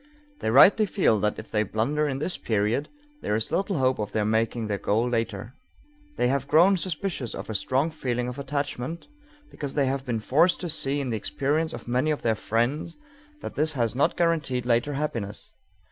They rightly feel that if they blunder in this period, there is little hope of their making their goal later. They have grown suspicious of a strong feeling of attachment, because they have been forced to see in the experiences of many of their friends that this has not guaranteed later happiness.